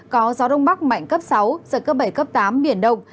có gió đông bắc mạnh cấp sáu giật cấp bảy cấp tám biển đông